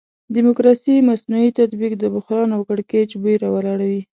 د ډیموکراسي مصنوعي تطبیق د بحران او کړکېچ بوی راولاړوي.